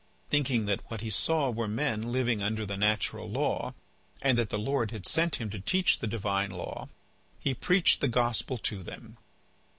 Thinking that what he saw were men living under the natural law, and that the Lord had sent him to teach them the Divine law, he preached the gospel to them.